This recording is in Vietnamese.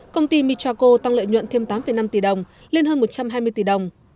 công ty michaco tăng lợi nhuận thêm tám năm tỷ đồng lên hơn một trăm hai mươi tỷ đồng